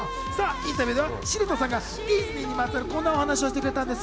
インタビューでは城田さんがディズニーにまつわるこんな話をしてくれたんです。